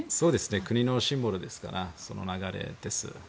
国のシンボルですからその流れです。